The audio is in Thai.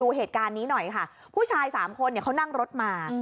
ดูเหตุการณ์นี้หน่อยค่ะผู้ชายสามคนเนี่ยเขานั่งรถมา